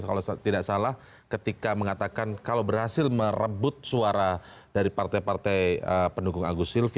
kalau tidak salah ketika mengatakan kalau berhasil merebut suara dari partai partai pendukung agus silvi